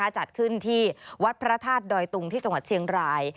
จัดขึ้นที่วัดพระธาตุดอยตุงที่จังหวัดเชียงราย